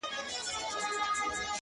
زور او زير مي ستا په لاس کي وليدی؛